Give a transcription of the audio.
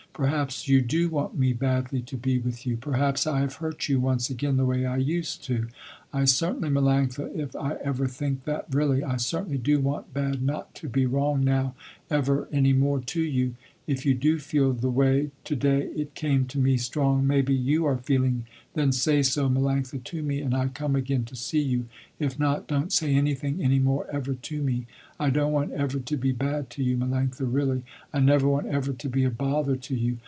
Perhaps you do want me badly to be with you. Perhaps I have hurt you once again the way I used to. I certainly Melanctha, if I ever think that really, I certainly do want bad not to be wrong now ever any more to you. If you do feel the way to day it came to me strong maybe you are feeling, then say so Melanctha to me, and I come again to see you. If not, don't say anything any more ever to me. I don't want ever to be bad to you Melanctha, really. I never want ever to be a bother to you.